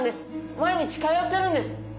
毎日通ってるんです！